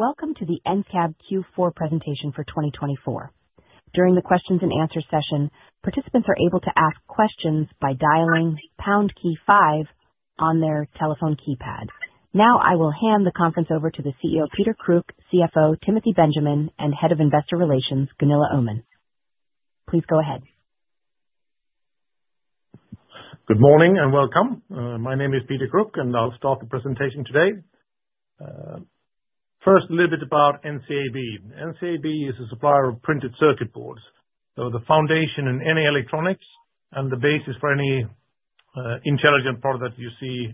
Welcome to the NCAB Q4 Presentation for 2024. During the questions and answer session, participants are able to ask questions by dialing pound key five on their telephone keypad. Now I will hand the conference over to the CEO Peter Kruk, CFO Timothy Benjamin, and Head of Investor Relations Gunilla Öhman. Please go ahead. Good morning and welcome. My name is Peter Kruk and I'll start the presentation today. First, a little bit about NCAB. NCAB is a supplier of printed circuit boards, so the foundation in any electronics and the basis for any intelligent product you see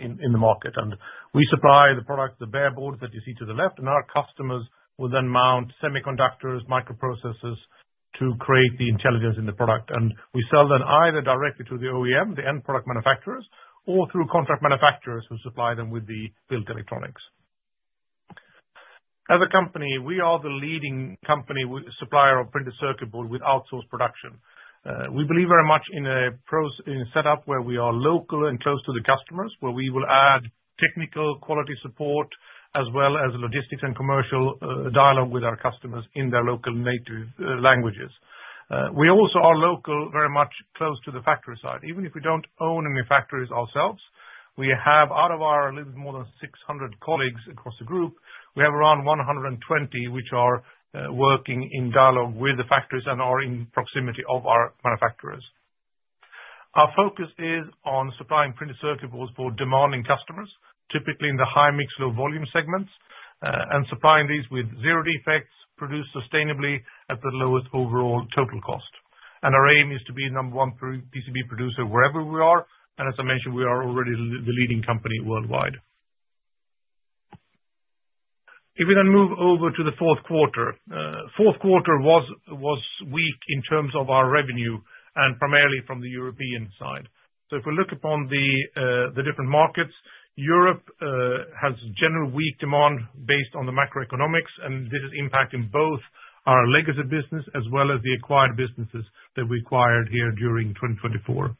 in the market, and we supply the product, the bare boards that you see to the left and our customers will then mount semiconductors, microprocessors to create the intelligence in the product and we sell them either directly to the OEM, the end product manufacturers or through contract manufacturers who supply them with the built electronics. As a company, we are the leading company supplier of printed circuit board with outsourced production. We believe very much in a setup where we are local and close to the customers, where we will add technical, quality support as well as logistics and commercial dialogue with our customers in their local native languages. We also are local, very much close to the factory side, even if we don't own any factories ourselves. We have, out of our little more than 600 colleagues across the group, around 120 which are working in dialogue with the factories and are in proximity of our manufacturers. Our focus is on supplying printed circuit boards for demanding customers, typically in the High-Mix, Low-Volume segments and supplying these with zero defects produced sustainably at the lowest overall total cost. Our aim is to be number one PCB producer wherever we are. As I mentioned, we are already the leading company worldwide. If we then move over to the fourth quarter, fourth quarter was weak in terms of our revenue and primarily from the European side. So if we look upon the different markets, Europe has general weak demand based on the macroeconomics and this is impacting both our legacy business as well as the acquired businesses that we acquired here during 2024.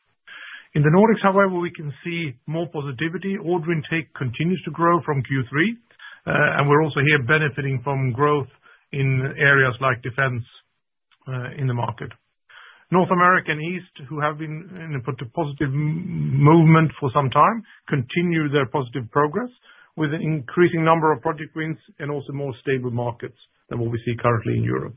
In the Nordics, however, we can see more positivity. Order intake continues to grow from Q3 and we're also here benefiting from growth in areas like defense in the market. North America and East, who have been in a positive movement for some time, continue their positive progress with an increasing number of project wins and also more stable markets than what we see currently in Europe.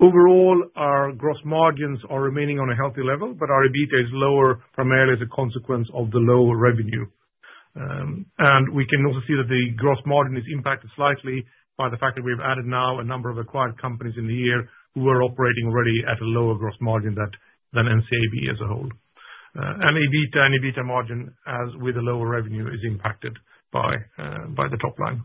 Overall our gross margins are remaining on a healthy level, but our EBITDA is lower primarily as a consequence of the lower revenue. We can also see that the gross margin is impacted slightly by the fact that we've added now a number of acquired companies in the year who are operating already at a lower gross margin than NCAB as a whole and EBITDA. EBITDA margin as with a lower revenue is impacted by the top line.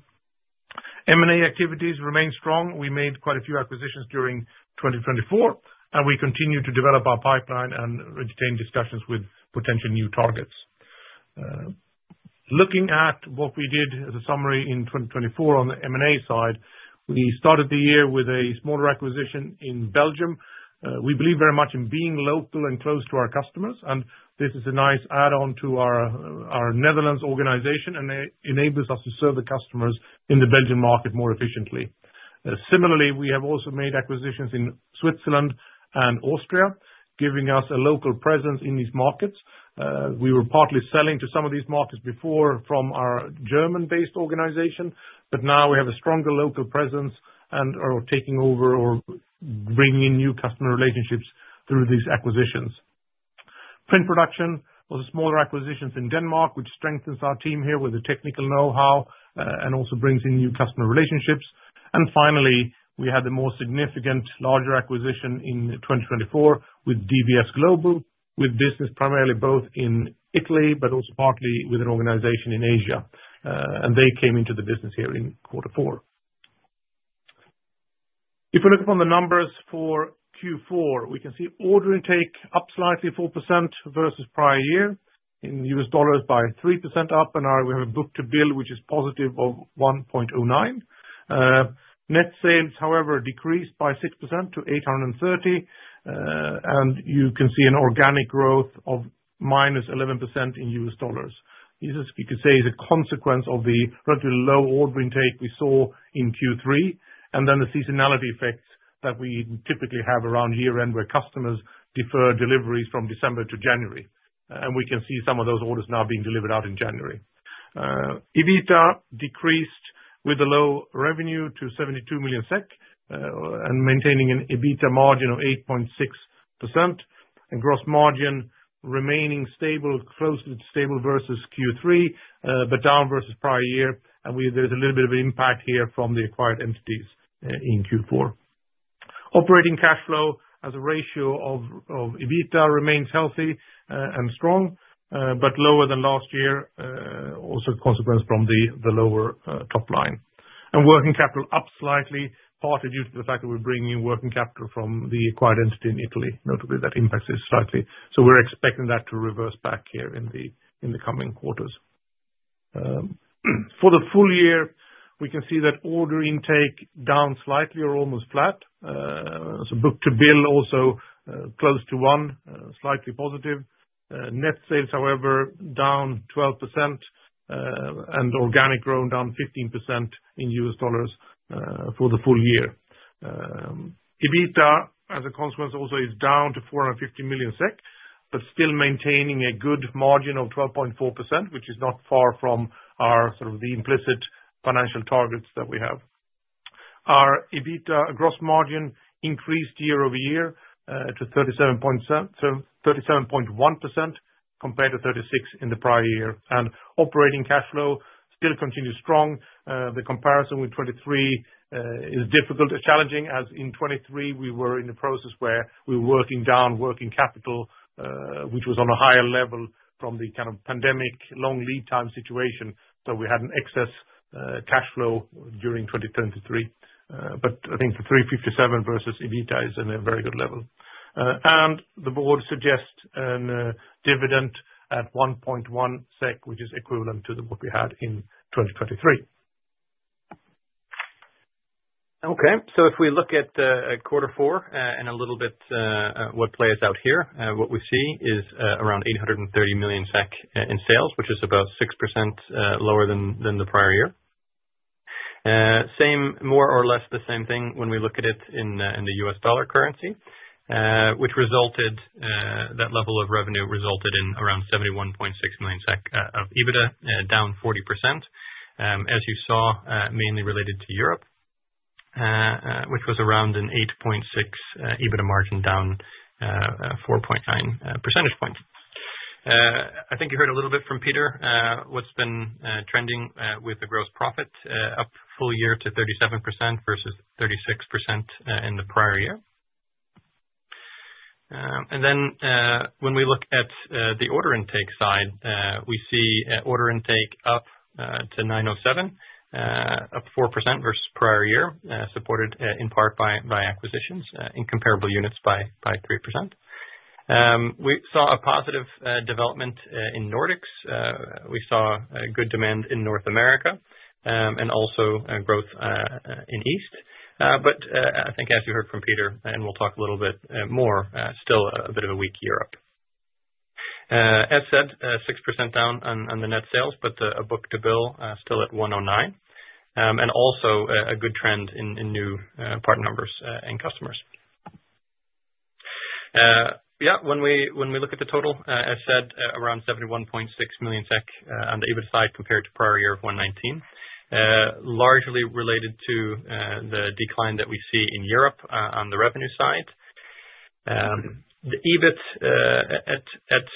M&A activities remain strong. We made quite a few acquisitions during 2024 and we continue to develop our pipeline and retain discussions with potential new targets. Looking at what we did as a summary in 2024 on the M&A side, we started the year with a smaller acquisition in Belgium. We believe very much in being local and close to our customers and this is a nice add on to our Netherlands organization and enables us to serve the customers in the Belgian market more efficiently. Similarly, we have also made acquisitions in Switzerland and Austria giving us a local presence in these markets. We were partly selling to some of these markets before from our German-based organization, but now we have a stronger local presence and are taking over or bringing in new customer relationships through these acquisitions. Print Production was a smaller acquisitions in Denmark which strengthens our team here with the technical know how and also brings in new customer relationships. Finally, we had the most significant larger acquisition in 2024 with DVS Global with business primarily both in Italy but also partly with an organization in Asia and they came into the business here in quarter four. If we look upon the numbers for Q4, we can see order intake up slightly 4% versus prior year in US dollars, by 3% up, and we have a book-to-bill which is positive of 1.09. Net sales, however, decreased by 6% to 830 million and you can see an organic growth of -11% in US dollars. This you could say is a consequence of the relatively low order intake we saw in Q3 and then the seasonality effects that we typically have around year end where customers defer deliveries from December to January and we can see some of those orders now being delivered out in January. EBITDA decreased with low revenue to 72 million SEK, maintaining an EBITDA margin of 8.6%, and gross margin remaining stable, closely stable versus Q3 but down versus prior year. There's a little bit of impact here from the acquired entities in Q4. Operating cash flow as a ratio of EBITDA remains healthy and strong but lower than last year. Also, consequence from the lower top line and working capital up slightly, partly due to the fact that we're bringing in working capital from the acquired entity in Italy. Notably, that impact is slightly. We're expecting that to reverse back here in the coming quarters. For the full year, we can see that order intake down slightly or almost flat. Book-to-bill also close to one, slightly positive. Net sales, however, down 12% and organic growth down 15% in US dollars for the full year. EBITDA, as a consequence, also is down to 450 million SEK but still maintaining a good margin of 12.4%, which is not far from the implicit financial targets that we have. Our EBITDA gross margin increased year-over-year to 37.1% compared to 36% in the prior year. Operating cash flow still continues strong. The comparison with 2023 is difficult and challenging. As in 2023 we were in a process where we were working down working capital, which was on a higher level from the kind of pandemic long lead time situation. So we had an excess cash flow during 2023. But I think the 3.57 versus EBITDA is in a very good level, and the board suggests a dividend at 1.1 SEK, which is equivalent to what we had in 2023. Okay, so if we look at quarter four and a little bit what plays out here, what we see is around 830 million SEK in sales, which is about 6% lower than the prior year. More or less the same thing when we look at it in the US dollar currency, which, that level of revenue resulted in around 71.6 million SEK of EBITDA, down 40%. As you saw, mainly related to Europe. Which was around an 8.6 EBITDA margin down 4.9 percentage points. I think you heard a little bit from Peter what's been trending with the gross profit up full year to 37% versus 36% in the prior year. And then when we look at the order intake side, we see order intake up to 907, up 4% versus prior year, supported in part by acquisitions. In comparable units, by 3%. We saw a positive development in Nordics, we saw good demand in North America and also growth in East. But I think as you heard from Peter and we'll talk a little bit more, still a bit of a weak Europe. As said, 6% down on the net sales, but a book-to-bill still at 109 and also a good trend in new part numbers and customers. Yes, when we look at the total as said around 71.6 million SEK on the EBITDA side compared to prior year 119 million largely related to the decline that we see in Europe. On the revenue side. The EBIT at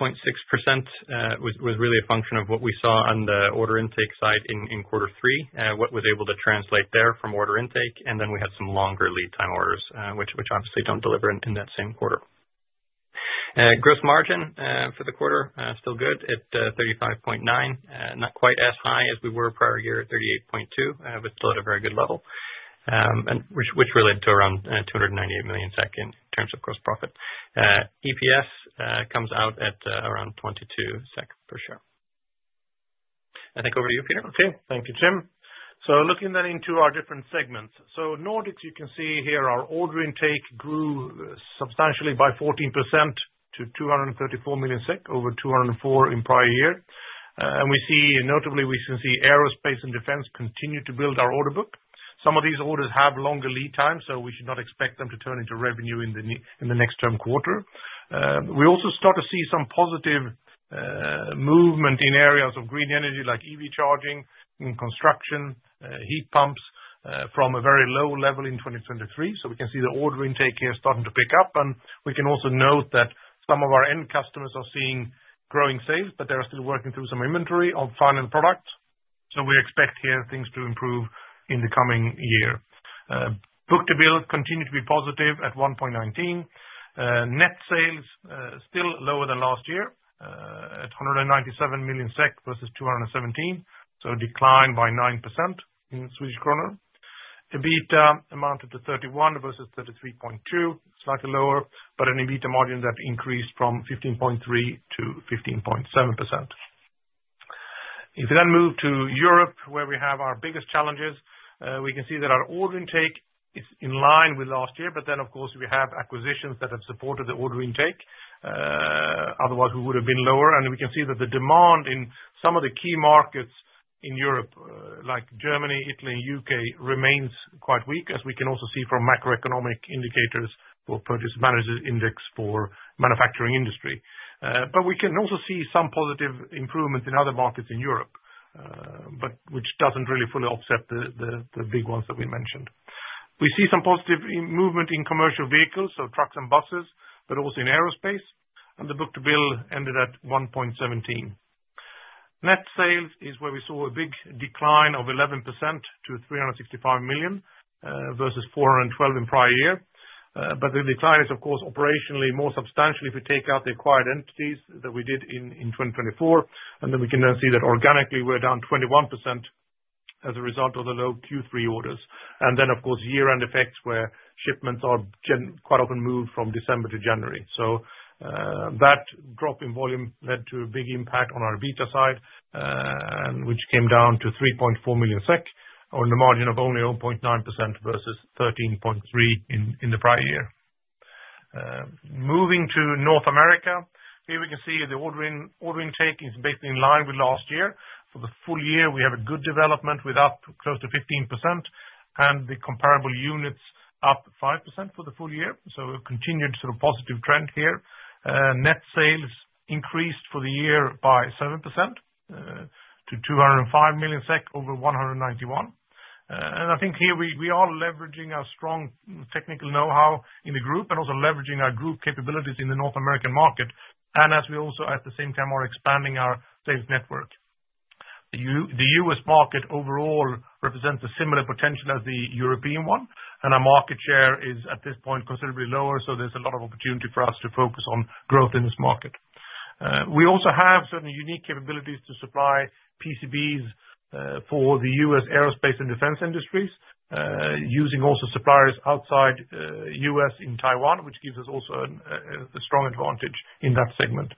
8.6% was really a function of what we saw on the order intake side in quarter three. What was able to translate there from order intake. And then we had some longer lead time orders which obviously don't deliver in that same quarter. Gross margin for the quarter still good at 35.9%, not quite as high as we were prior year at 38.2% but still at a very good level which really to around 298 million SEK. Terms of gross profit, EPS comes out at around 22 SEK per share I think. Over to you, Peter. Okay, thank you, Tim. Looking then into our different segments, Nordics, you can see here our order intake grew substantially by 14% to 234 million SEK over 204 million in prior year. We see notably we can see Aerospace and Defense continue to build our order book. Some of these orders have longer lead times so we should not expect them to turn into revenue in the next term quarter. We also start to see some positive movement in areas of green energy like EV charging, construction, heat pumps from a very low level in 2023. We can see the order intake here starting to pick up. We can also note that some of our end customers are seeing growing sales but they are still working through some inventory of final product. We expect here things to improve in the coming year. Book-to-bill continued to be positive at 1.19. Net sales still lower than last year at 197 million SEK versus 217 million so decline by 9% in Swedish krona. EBITDA amounted to 31 million versus 33.2 million slightly lower but an EBITDA margin that increased from 15.3% to 15.7%. If you then move to Europe where we have our biggest challenges, we can see that our order intake is in line with last year. But then of course we have acquisitions that have supported the order intake, otherwise we would have been lower. And we can see that the demand in some of the key markets in Europe like Germany, Italy, U.K. remains quite weak as we can also see from macroeconomic indicators for Purchasing Managers' Index for manufacturing industry. But we can also see some positive improvement in other markets in Europe, but which doesn't really fully offset the big ones that we mentioned. We see some positive movement in commercial vehicles, so trucks and buses, but also in Aerospace. And the book-to-bill ended at 1.17. Net sales is where we saw a big decline of 11% to 365 million versus 412 million in prior year. But the decline is of course operationally more substantially if we take out the acquired entities that we did in 2024, and then we can see that organically we're down 21% as a result of the low Q3 orders. Then of course year-end effects where shipments are quite often moved from December to January. So that drop in volume led to a big impact on our EBITDA side, which came down to 3.4 million SEK on the margin of only 0.9% versus 13.3% in the prior year. Moving to North America, here we can see the order intake is basically in line with last year. For the full year we have a good development with up close to 15% and the comparable units up 5% for the full year, so we've continued sort of positive trend here. Net sales increased for the year by 7% to 205 million SEK over 191 million, and I think here we are leveraging our strong technical know-how in the group and also leveraging our group capabilities in the North American market, and as we also at the same time are expanding our sales network, the U.S. market overall represents a similar potential as the European one, and our market share is at this point considerably lower, so there's a lot of opportunity for us to focus on growth in this market. We also have certain unique capabilities to supply PCBs for the U.S. Aerospace and Defense industries using also suppliers outside U.S. in Taiwan, which gives us also a strong advantage in that segment.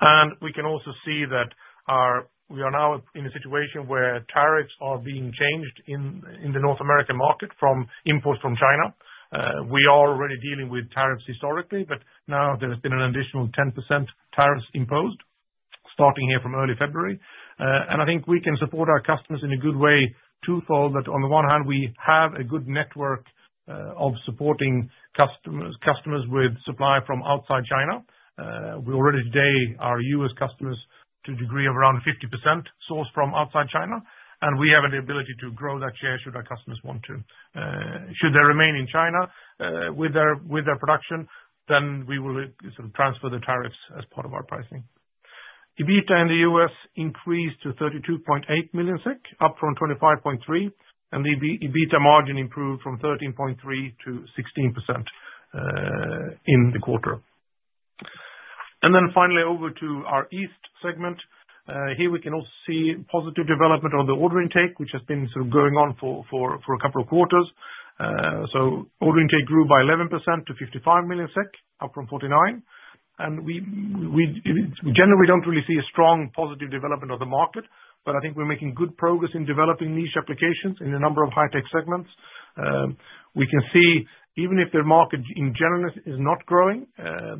And we can also see that we are now in a situation where tariffs are being changed in the North American market from import from China. We are already dealing with tariffs historically, but now there has been an additional 10% tariffs imposed starting here from early February. And I think we can support our customers in a good way twofold that. On the one hand, we have a good network of supporting customers with supply from outside China. We already today are U.S. customers to a degree of around 50% sourced from outside China. We have the ability to grow that share should our customers want to, should they remain in China with their production, then we will transfer the tariffs as part of our pricing. EBITDA in the U.S. increased to 32.8 million SEK, up from 25.3 million, and the EBITDA margin improved from 13.3% to 16% in the quarter. Then, finally, over to our East segment. Here we can also see positive development on the order intake, which has been sort of going on for a couple of quarters. Order intake grew by 11% to 55 million SEK up from 49 million, and generally, we don't really see a strong positive development of the market. I think we're making good progress in developing niche applications in a number of high tech segments. We can see even if the market in general is not growing.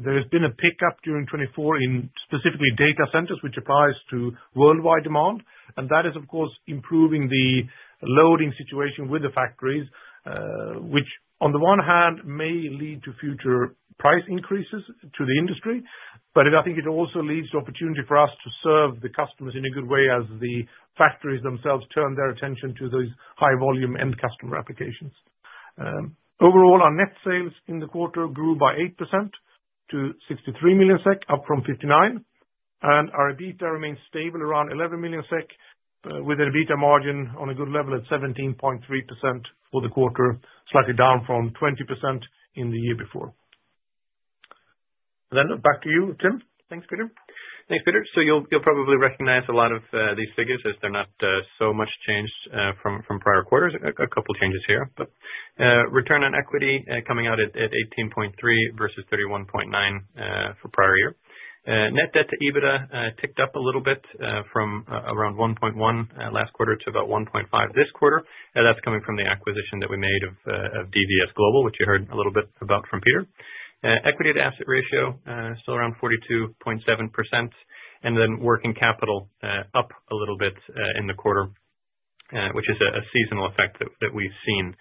There has been a pickup during 2024 in specifically data centers which applies to worldwide demand and that is of course improving the loading situation with the factories, which on the one hand may lead to future price increases to the industry, but I think it also leads to opportunity for us to serve the customers in a good way as the factories themselves turn their attention to those high volume end customer applications. Overall our net sales in the quarter grew by 8% to 63 million SEK up from 59 and our EBITDA remains stable around 11 million SEK with an EBITDA margin on a good level at 17.3% for the quarter, slightly down from 20% etc. In the year before. Then back to you Tim. Thanks Peter. Thanks Peter. You'll probably recognize a lot of these figures as they're not so much changed from prior quarters. A couple changes here, but return on equity coming out at 18.3 versus 31.9 for prior year. Net debt to EBITDA ticked up a little bit from around 1.1 last quarter to about 1.5 this quarter. That's coming from the acquisition that we made of DVS Global which you heard a little bit about from Peter. Equity to asset ratio still around 42.7% and then working capital up a little bit in the quarter which is a seasonal effect that we've seen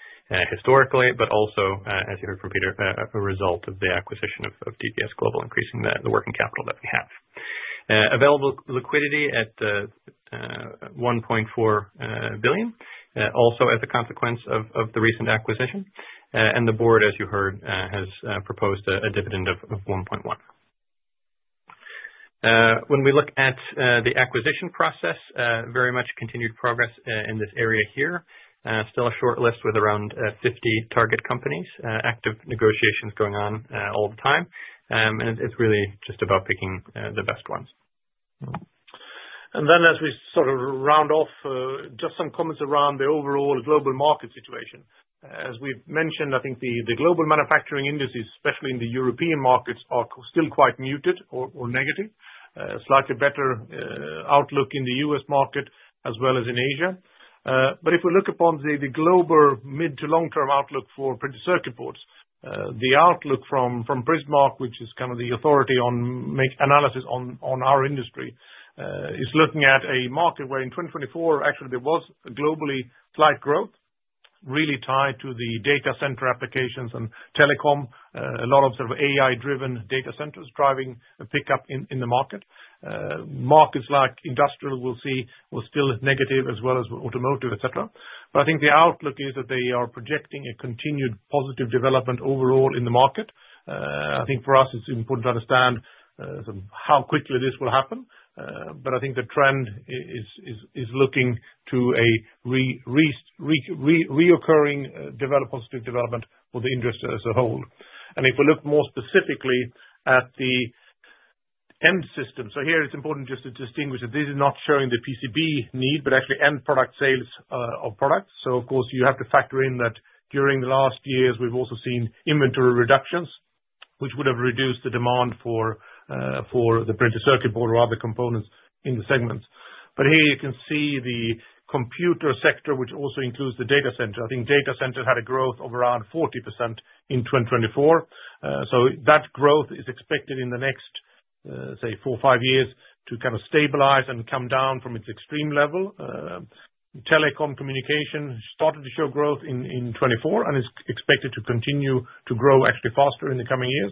historically. Also as you heard from Peter, a result of the acquisition of DVS Global, increasing the working capital that we have. Available liquidity at 1.4 billion also as a consequence of the recent acquisition. The board as you heard has proposed a dividend of 1.1. When we look at the acquisition process, very much continued progress in this area here. Still a short list with around 50 target companies, active negotiations going on all the time, and it's really just about picking the best ones. And then as we sort of round off just some comments around the overall global market situation, as we've mentioned, I think the global manufacturing industry, especially in the European markets, are still quite muted or negative. Slightly better outlook in the U.S. market as well as in Asia. But if we look upon the global mid to long-term outlook for printed circuit boards, the outlook from Prismark, which is kind of the authority on analysis on our industry, is looking at a market where in 2024 actually there was globally slight growth really tied to the data center applications and telecom. A lot of sort of AI-driven data centers driving a pickup in the market. Markets like industrial, we'll see, we're still negative as well as automotive, et cetera. But I think the outlook is that they are projecting a continued positive development overall in the market. I think for us it's important to understand how quickly this will happen. But I think the trend is looking to a. Recurring developed positive development for the industry as a whole. And if we look more specifically at the end system. So here it's important just to distinguish that this is not showing the PCB need but actually end product sales of products. So of course you have to factor in that during the last years we've also seen inventory reductions which would have reduced the demand for the printed circuit board or other components in the segments. But here you can see the computer sector which also includes the data center. I think data center had a growth of around 40% in 2024. So that growth is expected in the next say four, five years to kind of stabilize and come down from its extreme level. Telecom communication started to show growth in 2024 and is expected to continue to grow actually faster in the coming years.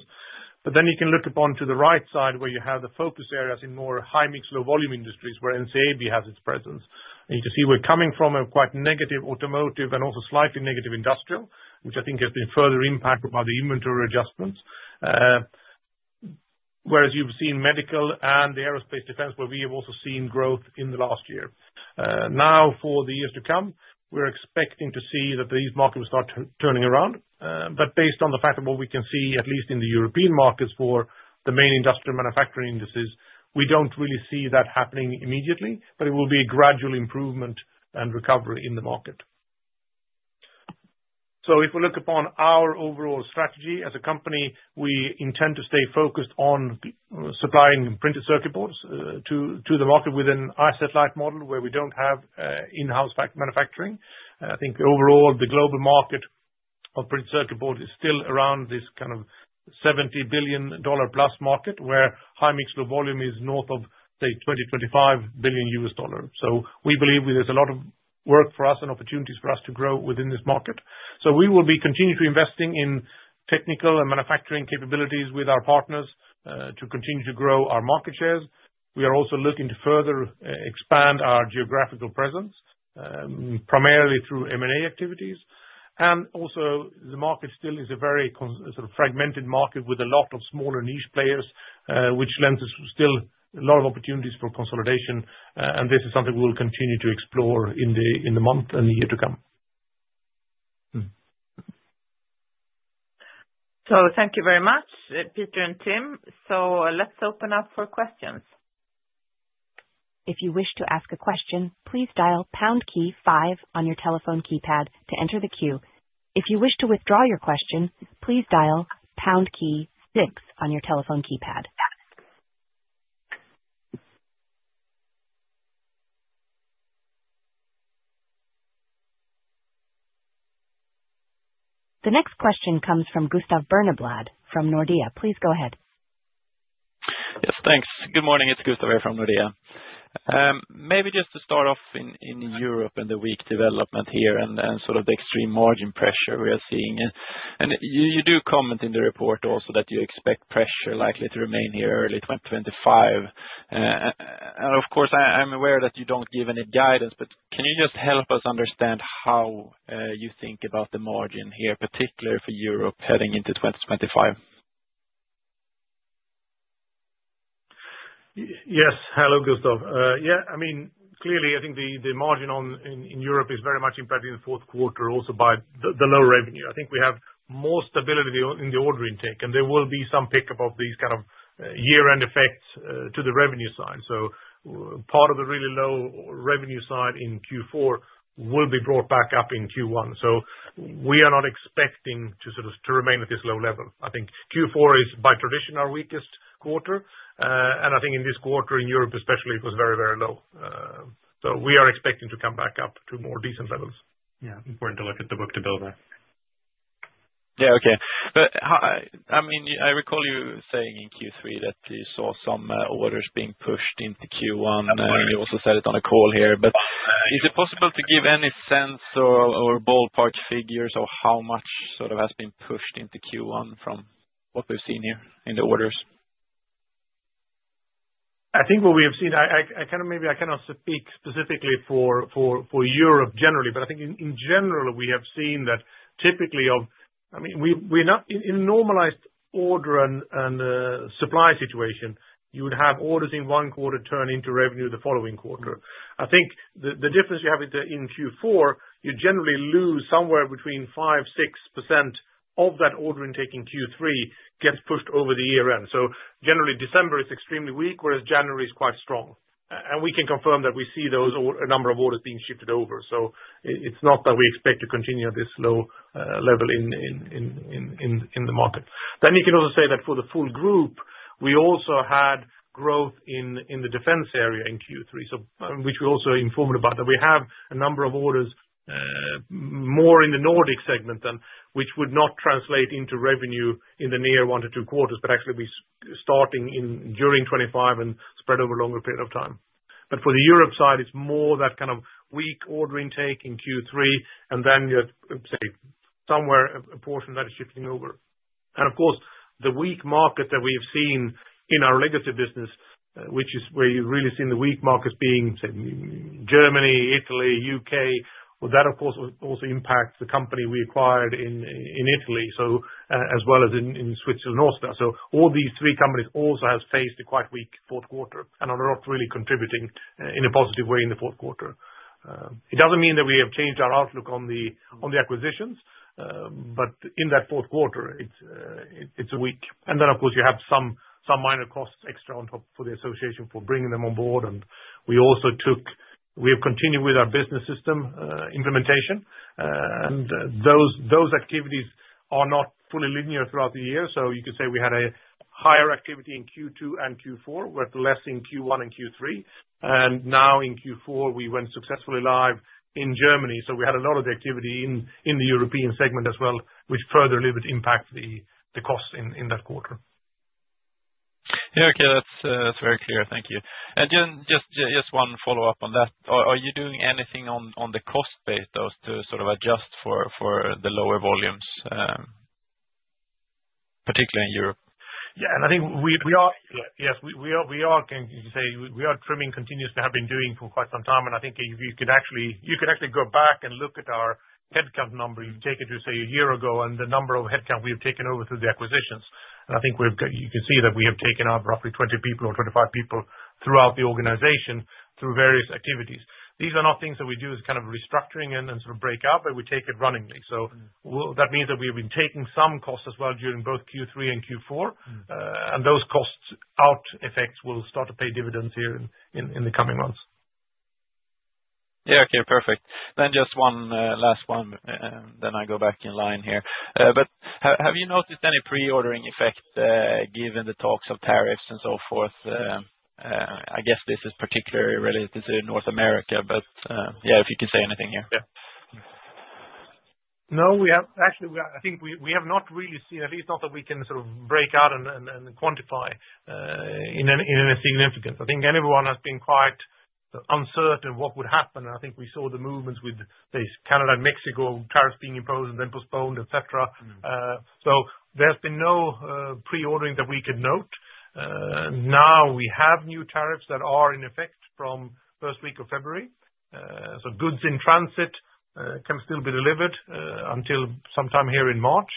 But then you can look up to the right side where you have the focus areas in more high-mix low-volume industries where NCAB has its presence. You can see we're coming from a quite negative automotive and also slightly negative industrial, which I think has been further impacted by the inventory adjustments. Whereas you've seen medical and the Aerospace and Defense where we have also seen growth in the last year. Now for the years to come, we're expecting to see that these markets start turning around. But based on the fact of what we can see at least in the European markets for the main industrial manufacturing indices, we don't really see that happening immediately, but it will be a gradual improvement and recovery in the market. So if we look upon our overall strategy as a company, we intend to stay focused on supplying printed circuit boards to the market with an asset-light model where we don't have in-house manufacturing. I think overall the global market of printed circuit board is still around this kind of $70 billion plus market where high-mix low-volume is north of say $20 billion-$25 billion. So we believe there's a lot of work for us and opportunities for us to grow within this market. So we will be continuing to investing in technical and manufacturing capabilities with our partners to continue to grow our market shares. We are also looking to further expand our geographical presence primarily through M&A activities. And also the market still is a very fragmented market with a lot of smaller niche players, which lends us still a lot of opportunities for consolidation. And this is something we will continue to explore in the month and the year to come. So thank you very much, Peter and Tim. So let's open up for questions. If you wish to ask a question. Please dial key five on your telephone keypad to enter the queue. If you wish to withdraw your question, please dial key six on your telephone keypad. The next question comes from Gustav Berneblad from Nordea. Please go ahead. Yes, thanks. Good morning, it's Gustav from Nordea. Maybe just to start off in Europe and the weak development here and sort of the extreme margin pressure we are seeing, and you do comment in the report also that you expect pressure likely to remain here early 2025, and of course I'm aware that you don't give any guidance, but can you just help us understand how you think about the margin here, particularly for Europe heading into 2025? Yes. Hello Gustav. Yes, I mean clearly I think the margin in Europe is very much impacted in the fourth quarter also by the low revenue. I think we have more stability in the order intake and there will be some pickup of these kind of year end effects to the revenue side. So part of the really low revenue side in Q4 will be brought back up in Q1. So we are not expecting to sort of remain at this low level. I think Q4 is by tradition our weakest quarter and I think in this quarter in Europe especially it was very, very low. So we are expecting to come back up to more decent levels. Yeah. Important to look at the book-to-bill there. Yeah. Okay. I mean I recall you saying in Q3 that you saw some orders being pushed into Q1. You also said it on a call here. But is it possible to give any sense or ballpark figures of how much sort of has been pushed into Q1 from what we've seen here in the orders? I think what we have seen. I can maybe, I cannot speak specifically for Europe generally, but I think in general we have seen that typically, I mean, we're not in normalized order and supply situation. You would have orders in one quarter turn into revenue the following quarter. I think the difference you have in Q4. You generally lose somewhere between 5% to 6% of that order intake in Q3 gets pushed over the year end. So generally December is extremely weak, whereas January is quite strong. We can confirm that we see those number of orders being shifted over. So it's not that we expect to continue at this low level in the market. Then you can also say that for the full group we also had growth in the defense area in Q3, which we also informed about, that we have a number of orders more in the Nordic segment than which would not translate into revenue in the near one to two quarters, but actually we starting in during 2025 and spread over a longer period of time. But for the Europe side it's more that kind of weak order intake in Q3 and then somewhere a portion that is shifting over, and of course the weak market that we've seen in our legacy business, which is where you've really seen the weak markets being Germany, Italy, U.K., well that of course also impacts the company we acquired in Italy as well as in Switzerland, Austria. All these three companies also have faced a quite weak fourth quarter and are not really contributing in a positive way in the fourth quarter. It doesn't mean that we have changed our outlook on the acquisitions, but in that fourth quarter it's weak. Then of course you have some minor costs extra on top for the acquisition for bringing them on board. We have continued with our business system implementation and those activities are not fully linear throughout the year. You could say we had a higher activity in Q2 and Q4 with less in Q1 and Q3. Now in Q4 we went successfully live in Germany. We had a lot of the activity in the European segment as well which further impact the cost in that quarter. Okay, that's very clear, thank you. And just one follow up on that. Are you doing anything on the cost base to sort of adjust for the lower volumes? Particularly in Europe? Yeah, and I think we are, yes we are, we are trimming continuously have been doing for quite some time. And I think you could actually, you could actually go back and look at our headcount number. You take it to say a year ago and the number of headcount we have taken over through the acquisitions. And I think we've got, you can see that we have taken out roughly 20 people or 25 people throughout the organization through various activities. These are not things that we do as kind of restructuring and sort of break up, but we take it running. So that means that we have been taking some costs as well during both Q3 and Q4 and those costs out effects will start to pay dividends here in the coming months. Yeah, okay, perfect. Then just one last one. Then I go back in line here. But have you noticed any pre-ordering effect given the talks of tariffs and so forth? I guess this is particularly related to North America, but yeah, if you can say anything here. No, actually I think we have not really seen, at least not that we can sort of break out and quantify in any significance. I think everyone has been quite uncertain what would happen. I think we saw the movements with Canada and Mexico, tariffs being imposed and then postponed, et cetera. So there's been no pre ordering that we could note. Now we have new tariffs that are in effect from first week of February, so goods in transit can still be delivered until sometime here in March.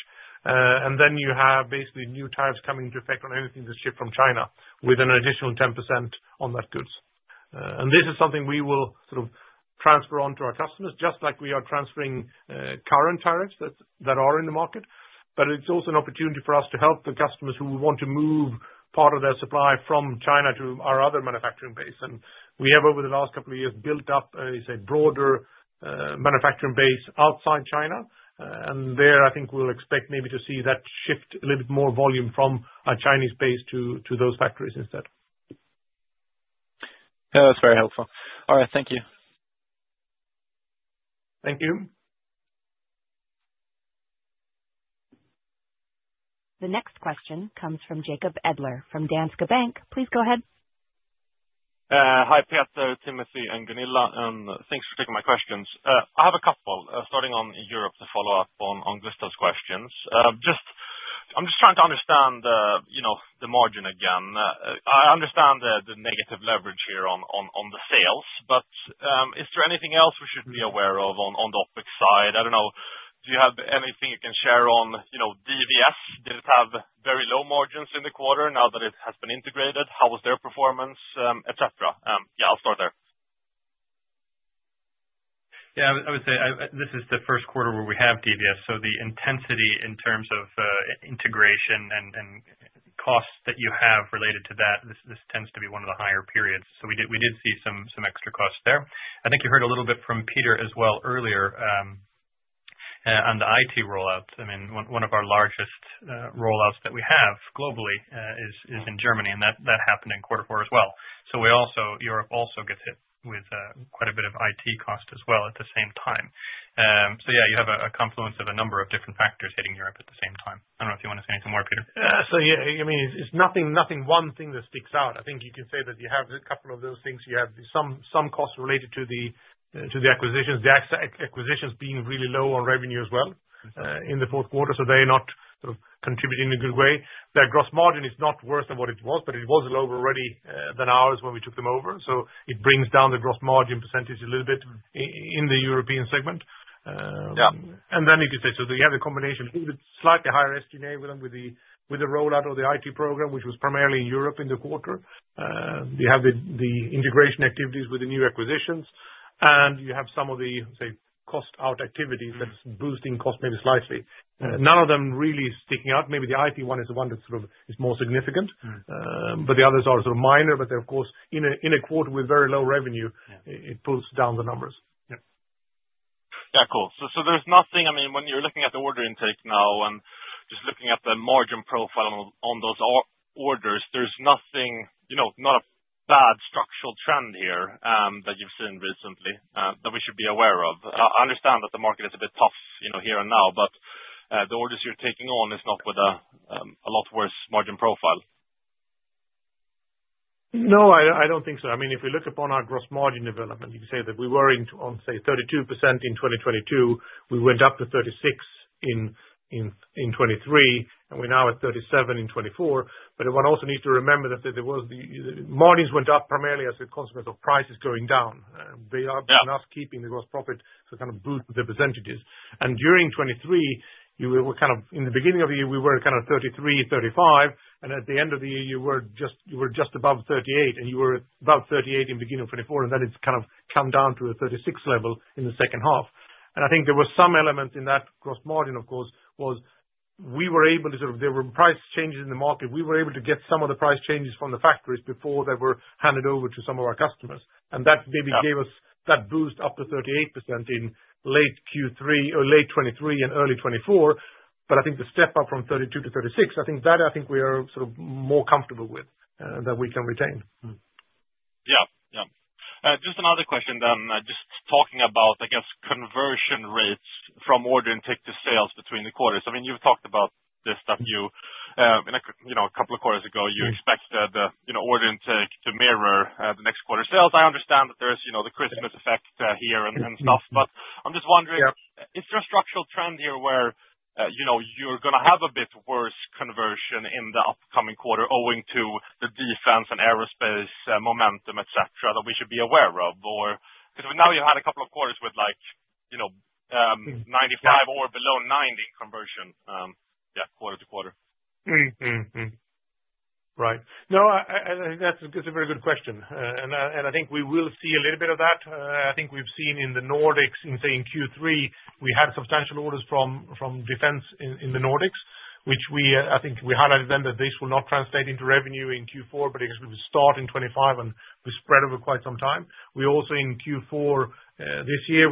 And then you have basically new tariffs coming into effect on anything that's shipped from China with an additional 10% on that goods. And this is something we will sort of transfer on to our customers just like we are transferring current tariffs that are in the market. But it's also an opportunity for us to help the customers who want to move part of their supply from China to our other manufacturing base. And we have over the last couple of years built up a broader manufacturing base outside China, and there I think we'll expect maybe to see that shift a little bit more volume from a Chinese base to those factories instead. That's very helpful. All right, thank you. Thank you. The next question comes from Jacob Edler from Danske Bank. Please go ahead. Hi, Peter, Timothy, and Gunilla. Thanks for taking my questions. I have a couple starting on Europe to follow up on Gustav's questions. I'm just trying to understand the margin again. I understand the negative leverage here on the sales, but is there anything else we should be aware of on the OPEX side? I don't know. Do you have anything you can share on DVS? Did it have very low margins in the quarter now that it has been integrated? How was their performance, et cetera? Yeah, I'll start there. Yeah, I would say this is the first quarter where we have DVS. So the intensity in terms of integration and costs that you have related to that, this tends to be one of the higher periods. So we did see some extra costs there. I think you heard a little bit from Peter as well earlier. On the IT rollout. I mean, one of our largest rollouts that we have globally is in Germany and that happened in quarter four as well. So Europe also gets hit with quite a bit of IT cost as well at the same time. So yeah, you have a confluence of a number of different factors hitting Europe at the same time. I don't know if you want to say anything more, Peter. So yeah, it's nothing. One thing that sticks out, I think you can say that you have a couple of those things. You have some cost related to the acquisitions. The acquisitions being really low on revenue as well in the fourth quarter. So they're not contributing in a good way. Their gross margin is not worse than what it was, but it was lower already than ours when we took them over. So it brings down the gross margin percentage a little bit in the European segment. And then if you say so, you have a combination slightly higher SG&A with the rollout of the IT program, which was primarily in Europe. In the quarter, you have the integration activities with the new acquisitions and you have some of the cost out activities that's boosting cost maybe slightly, none of them really sticking out. Maybe the IT one is the one that sort of is more significant, but the others are sort of minor, but of course, in a quarter with very low revenue, it pulls down the numbers. Yeah, cool. So there's nothing, I mean, when you're looking at the order intake now and just looking at the margin profile on those orders, there's nothing not a bad structural trend here that you've seen recently that we should be aware of. I understand that the market is a bit tough here and now, but the orders you're taking on is not with a lot worse margin profile. No, I don't think so. I mean, if we look upon our gross margin development, you can say that we were on say 32% in 2022. We went up to 36% in 2023 and we're now at 37% in 2024. But one also needs to remember that there was the margins went up primarily as a consequence of prices going down. They are keeping the gross profit to kind of boost the percentages. In the beginning of the year we were kind of 33%-35% and at the end of the year you were just above 38% and you were about 38% in the beginning of 2024. And then it's kind of come down to a 36% level in the second half. And I think there were some elements in that gross margin of course was we were able to sort of. There were price changes in the market. We were able to get some of the price changes from the factories before they were handed over to some of our customers, and that maybe gave us that boost up to 38% in late Q3 or late 2023 and early 2024. But I think the step up from 32% to 36%. I think we are sort of more comfortable with that we can retain. Yes, just another question then. Just talking about, I guess, conversion rates from order intake to sales between the quarters. I mean you've talked about this stuff a couple of quarters ago. You expected order intake to mirror the next quarter sales. I understand that there is the Christmas effect here and stuff, but I'm just wondering, is there a structural trend here? Where you're going to have a bit. Worse conversion in the upcoming quarter owing to the Defense and Aerospace momentum, etc. That we should be aware because now you had a couple of quarters with like you know, 95% or below 90% conversion. Yeah, quarter to quarter. Right? No, that's a very good question and I think we will see a little bit of that. I think we've seen in the Nordics, in, say, Q3, we had substantial orders from defense in the Nordics. I think we highlighted then that this will not translate into revenue in Q4, but it will start in 2025 and spread over quite some time. We also, in Q4 this year,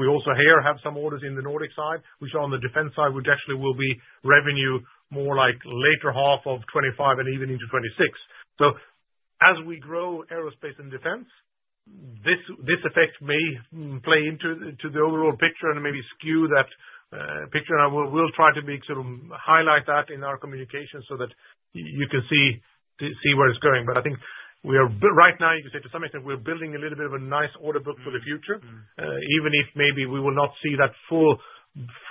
have some orders on the Nordic side which on the defense side would actually be revenue more like later half of 2025 and even into 2026. So as we grow Aerospace and Defense, this effect may play into the overall picture and maybe skew that picture. We'll try to highlight that in our communication so that you can see where it's going. But I think we are right now, you can say, to some extent we're building a little bit of a nice order book for the future. Even if maybe we will not see that full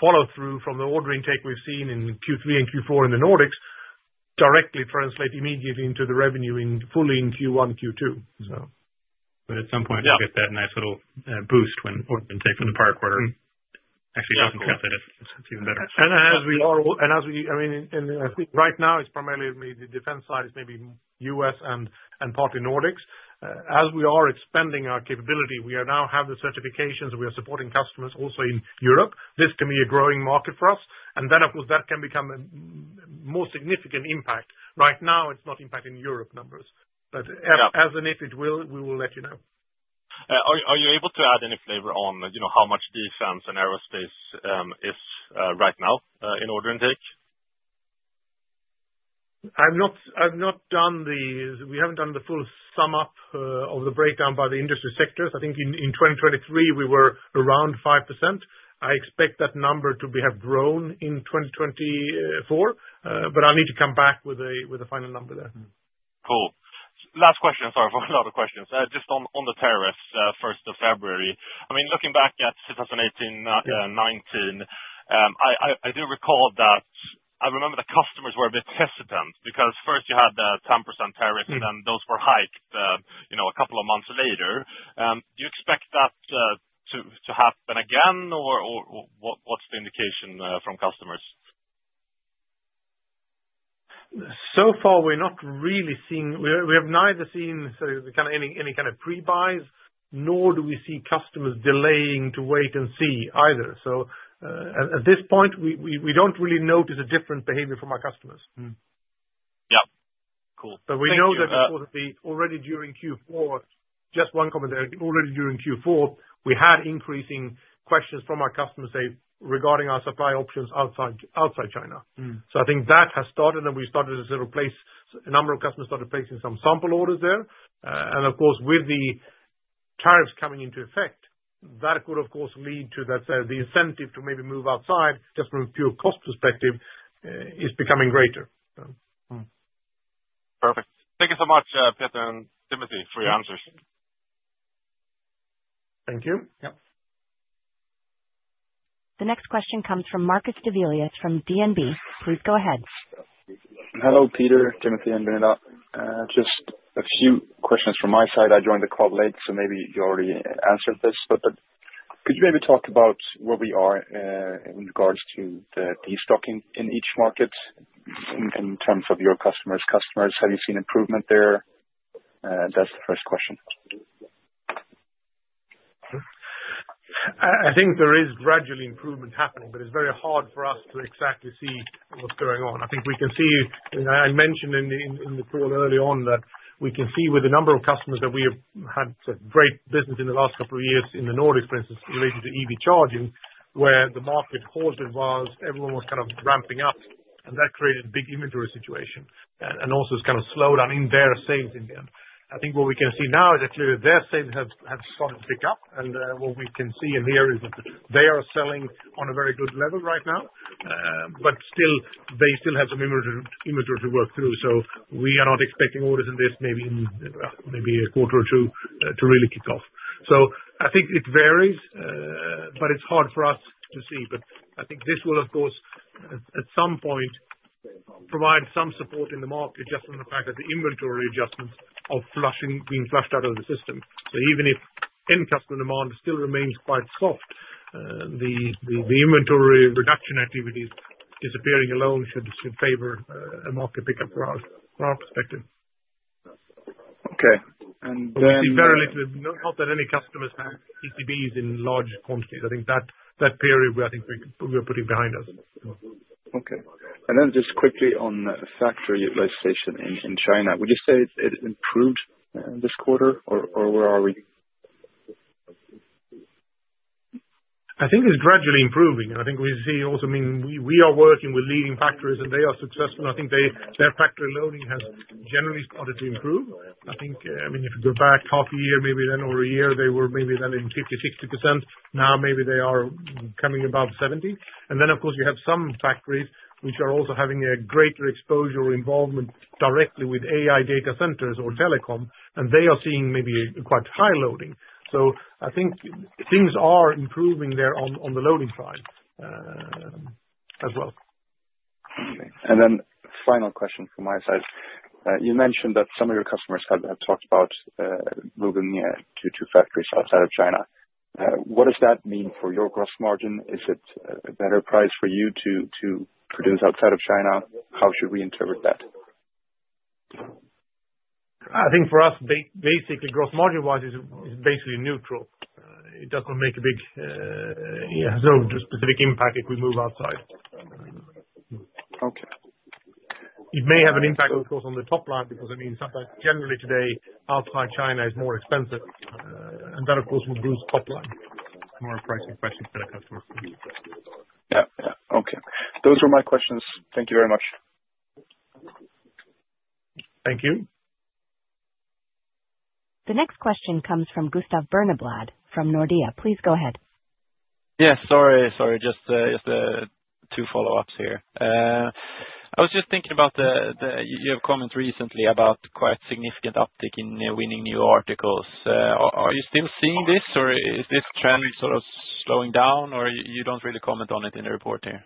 follow through from the order intake we've seen in Q3 and Q4 in the Nordics directly translate immediately into the revenue fully in Q1 Q2. But at some point we'll get that nice little boost when order intake from the prior quarter actually doesn't calculate it. Even better. Right now it's primarily the defense side, maybe us and partly Nordics as we are expanding our capability. We now have the certifications. We are supporting customers also in Europe. This can be a growing market for us. And then of course that can become a more significant impact. Right now it's not impacting Europe numbers, but as and if it will, we will let you know. Are you able to add any flavor on how much defense and Aerospace is right now in order intake? We haven't done the full sum up of the breakdown by the industry sectors. I think in 2023 we were around 5%. I expect that number to have grown in 2024, but I need to come back with a final number there. Cool. Last question. Sorry for a lot of questions just on the tariffs 1st of February. I mean, looking back at 2018-2019, I do recall that I remember the customers were a bit hesitant because first you had the 10% tariffs and then those were hiked a couple of months later. Do you expect that to happen again or what's the indication from customers? So far we're not really seeing. We have neither seen any kind of pre buys nor do we see customers delaying to wait and see either. So at this point we don't really notice a different behavior from our customers. Yeah, cool. But we know that already during Q4, just one commentary already during Q4 we had increasing questions from our customers regarding our supply options outside China. So I think that has started and we started to sort of place a number of customers, started placing some sample orders there. And of course with the tariffs coming into effect that could of course lead to that. The incentive to maybe move outside just from a pure cost perspective is becoming greater. Perfect. Thank you so much, Peter and Timothy, for your answers. Thank you. The next question comes from Marcus Develius from DNB. Please go ahead. Hello Peter, Timothy and Gunilla. Just a few questions from my side. I joined the call late so maybe you already answered this, but could you maybe talk about where we are in regards to the destocking in each market in terms of your customers' customers, have you seen improvement there? That's the first question. I think there is gradual improvement happening, but it's very hard for us to exactly see what's going on. I think we can see. I mentioned in the call early on that we can see with a number of customers that we have had great business in the last couple of years in the Nordics, for instance, related to EV charging, where the market halted was everyone was kind of ramping up and that created a big inventory situation and also kind of slowed down in their sales in the end. I think what we can see now is actually their sales have started to pick up and what we can see in here is that they are selling on a very good level right now, but still they have some inventory to work through. So we are not expecting orders in this, maybe a quarter or two to really kick off. So I think it varies but it's hard for us to see. But I think this will of course at some point provide some support in the market just from the fact that the inventory adjustments are being flushed out of the system. So even if end customer demand still remains quite soft, the inventory reduction activities disappearing alone should favor a market pickup from our perspective. Okay, and we see very little, not that any customers have PCBs in large quantities. I think that period I think we're putting behind us. Okay, and then just quickly on factory utilization in China, would you say it improved this quarter or where are we? I think it's gradually improving, and I think we see also, I mean, we are working with leading factories and they are successful. I think their factory levels loading has generally started to improve. I think if you go back half a year, maybe then over a year they were maybe then in 50%-60%; now maybe they are coming above 70%. And then of course you have some factories which are also having a greater exposure or involvement directly with AI data centers or telecom, and they are seeing maybe quite high loading. I think things are improving there on the loading side. As well. And then final question from my side. You mentioned that some of your customers have talked about moving to two factories outside of China. What does that mean for your gross margin? Is it a better price for you to produce outside of China? How should we interpret that? I think for us basically gross margin wise is basically neutral. It doesn't make a big. Specific impact. If we move outside. It may have an impact, of course, on the top line because, I mean, sometimes generally today outside China is more expensive. And that, of course, will boost top. Line more price impression for the customer. Okay, those were my questions. Thank you very much. Thank you. The next question comes from Gustav Berneblad from Nordea. Please go ahead. Yes, sorry, sorry. Just two follow-ups here. You have commented recently about quite significant uptick in winning new articles. Are you still seeing this, or is this trend sort of slowing down, or you don't really comment on it in the report here?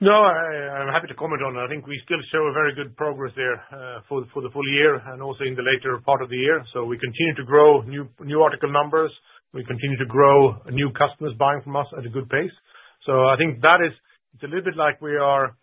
No, I'm happy to comment on it. I think we still show very good progress there for the full year and also in the later part of the year. So we continue to grow new article numbers. We continue to grow new customers buying from us at a good pace. So I think that is. It's a little bit like we are,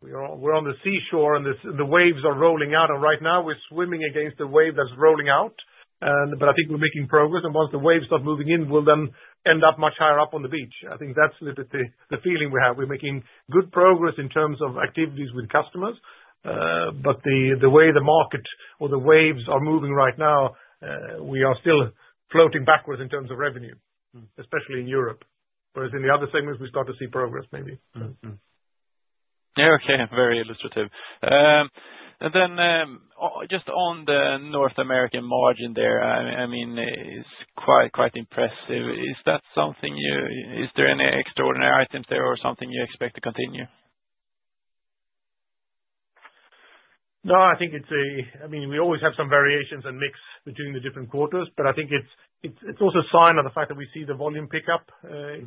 we're on the seashore and the waves are rolling out and right now we're swimming against the wave that's rolling out. But I think we're making progress and once the waves start moving in, we'll then end up much higher up on the beach. I think that's the feeling we have. We're making good progress in terms of activities with customers. But the way the market or the waves are moving right now, we are still floating backwards in terms of revenue, especially in Europe, whereas in the other segments we start to see progress maybe. Okay, very illustrative. And then just on the North American margin there, I mean it's quite impressive. Is that something you. Is there any extraordinary items there or something you expect to continue? No, I think it's. I mean, we always have some variations and mix between the different quarters. But I think it's also a sign of the fact that we see the volume pickup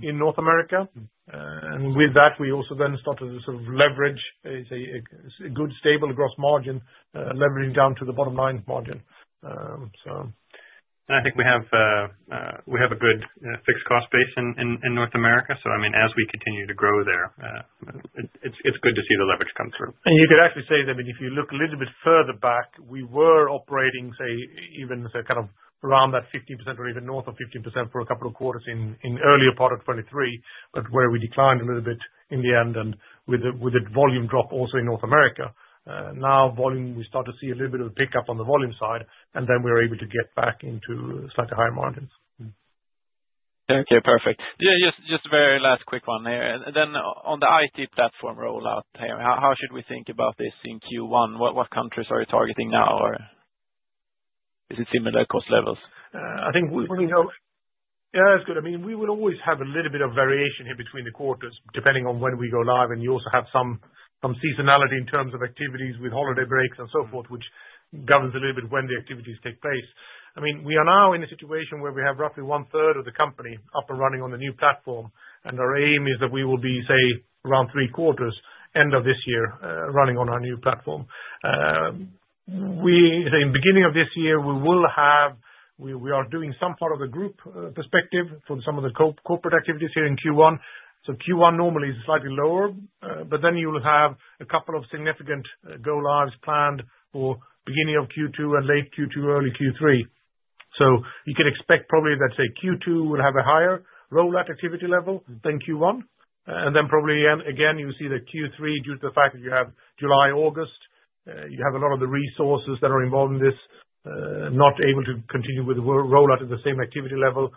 in North America. And with that, we also then started to sort of leverage a good stable gross margin, leveraging down to the bottom line margin. I think we have a good fixed cost base in North America, so I mean as we continue to grow there, it's good to see the leverage come through. And you could actually say that if you look a little bit further back, we were operating, say, even kind of around that 15% or even north of 15% for a couple of quarters in the earlier part of 2023, but where we declined a little bit in the end and with the volume drop also in North America, now volume, we start to see a little bit of a pickup on the volume side and then we're able to get back into slightly higher margins. Okay, perfect. Just very last quick one there then. On the IT platform rollout, how should we think about this in Q1? What countries are you targeting now or is it similar cost levels? I think yeah, that's good. I mean we will always have a little bit of variation here between the quarters depending on when we go live. And you also have some seasonality in terms of activities with holiday breaks and so forth, which governs a little bit when the activities take place. I mean, we are now in a situation where we have roughly one third of the company up and running on the new platform. And our aim is that we will be say around 3/4 end of this year running on our new platform. In the beginning of this year we will have. We are doing some part of a group perspective from some of the corporate activities here in Q1, so Q1 normally is slightly lower, but then you will have a couple of significant go lives planned for beginning of Q2 and late Q2, early Q3, so you can expect probably that, say, Q2 will have a higher rollout activity level than Q1. And then probably again you see that Q3 due to the fact that you have July, August, you have a lot of the resources that are involved in this not able to continue with the rollout of the same activity level,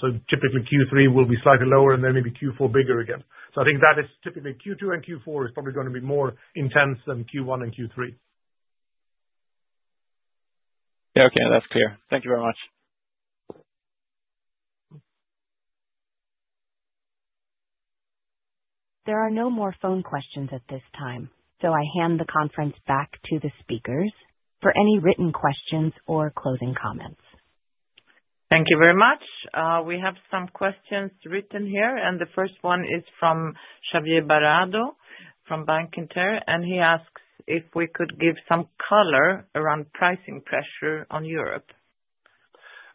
so typically Q3 will be slightly lower and then maybe Q4 bigger again, so I think that is typically Q2 and Q4 is probably going to be more intense than Q1 and Q3. Okay, that's clear. Thank you very much. There are no more phone questions at this time so I hand the conference back to the speakers for any written questions or closing comments. Thank you very much. We have some questions written here and the first one is from Javier Barrado from Bankinter and he asks if we could give some color around pricing pressure on Europe.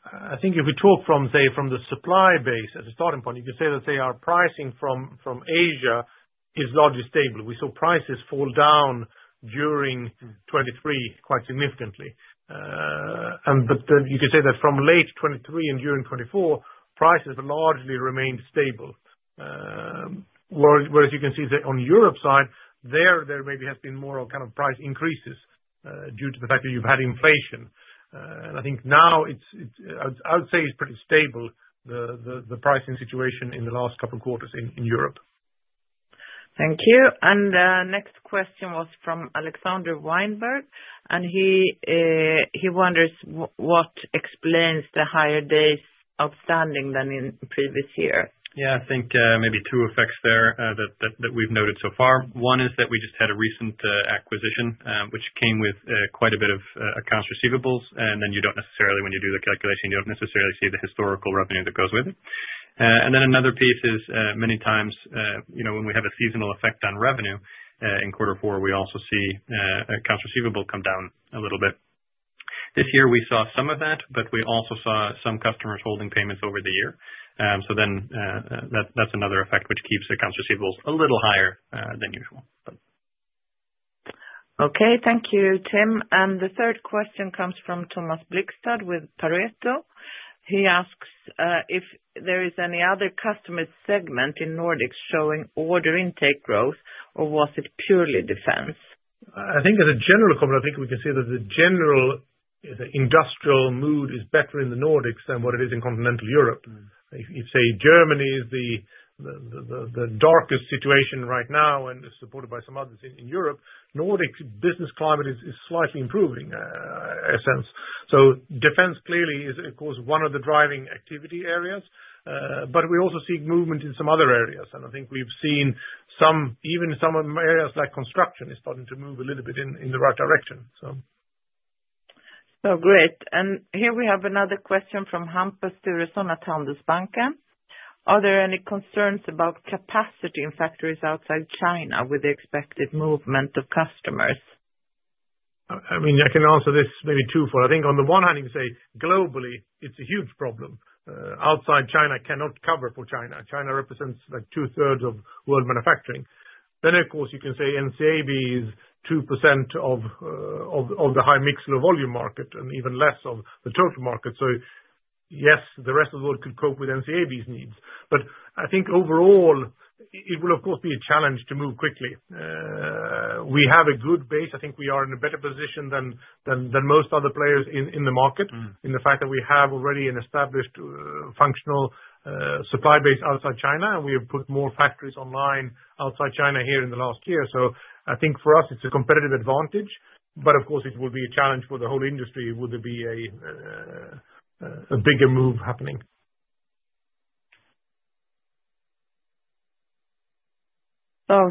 I think if we talk from, say, the supply base as a starting point, if you say that their pricing from Asia is largely stable, we saw prices fall down during 2023 quite significantly. But you could say that from late 2023 and during 2024 prices largely remained stable. Whereas you can see that on Europe side there, maybe has been more kind of price increases due to the fact that you've had inflation. And I think now I would say it's pretty stable the pricing situation in the last couple of quarters in Europe. Thank you. And next question was from Alexander Weinberg, and he wonders what explains the higher days outstanding than in previous year. Yeah, I think maybe two effects there that we've noted so far. One is that we just had a recent acquisition which came with quite a bit of a customer's receivables, and then you don't necessarily, when you do the calculation, you don't necessarily see the historical revenue that goes with it, and then another piece is many times, you know, when we have a seasonal effect on revenue in quarter four, we also see accounts receivable come down a little bit. This year we saw some of that, but we also saw some customers holding payments over the year, so then that's another effect which keeps accounts receivable a little higher than usual. Okay, thank you, Tim. And the third question comes from Thomas Blikstad with Pareto. He asks if there is any other customer segment in Nordics showing order intake growth or was it purely defense? I think as a general comment, I think we can see that the general industrial mood is better in the Nordics than what it is in continental Europe. If, say, Germany is the darkest situation right now and supported by some others in Europe, Nordic business climate is slightly improving, in a sense. So defense clearly is of course one of the driving activity areas but we also see movement in some other areas. I think we've seen some, even areas like construction is starting to move a little bit in the right direction. Oh, great. And here we have another question from Hampus Sturesson at Handelsbanken. Are there any concerns about capacity in factories outside China with the expected movement of customers? I mean, I can answer this. Maybe twofold. I think on the one hand you can say globally it's a huge problem outside China, cannot cover for China. China represents like two thirds of world manufacturing. Then of course you can say NCAB is 2% of the High-Mix, Low-Volume market and even less of the total market. So yes, the rest of the world could cope with NCAB's needs. But I think overall it will of course be a challenge to move quickly. We have a good base. I think we are in a better position than most other players in the market in the fact that we have already an established functional supply base outside China and we have put more factories online outside China here in the last year. So I think for us it's a competitive advantage. But of course it will be a challenge for the whole industry. Would there be A bigger move happening.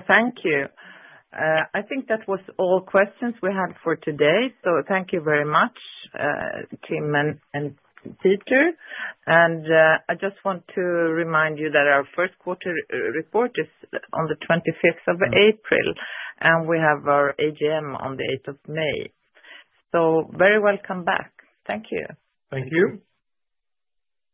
Thank you. I think that was all questions we had for today. So thank you very much, Tim and Peter, and I just want to remind you that our first quarter report is on the 25th of April and we have our AGM on the 8th of May. So very welcome back. Thank you. Thank you.